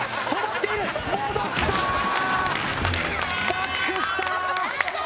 バックした！